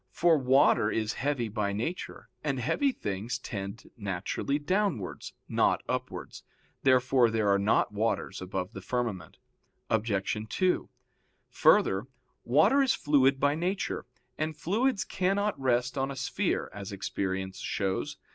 For water is heavy by nature, and heavy things tend naturally downwards, not upwards. Therefore there are not waters above the firmament. Obj. 2: Further, water is fluid by nature, and fluids cannot rest on a sphere, as experience shows.